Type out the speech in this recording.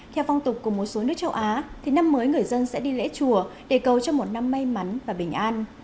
theo phong tục của một số nước châu á năm mới người dân sẽ đi lễ chùa để cầu cho một năm may mắn và bình an